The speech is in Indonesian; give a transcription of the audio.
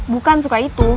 bukan suka itu